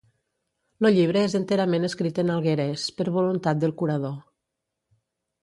Lo llibre és enterament escrit en alguerés per voluntat del curador